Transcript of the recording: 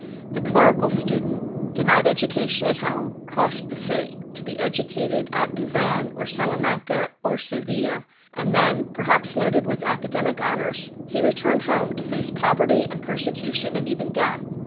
The clerical student, denied education at home, crossed the sea, to be educated at Louvain or Salamanca or Seville, and then, perhaps loaded with academic honors, he returned home to face poverty and persecution and even death.